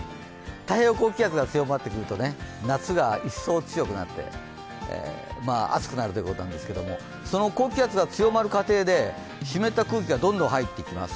太平洋高気圧が強まってくると夏がいっそう、強くなってまあ、暑くなるということなんですけども、その高気圧が強まる過程で湿った空気がどんどん入ってきます。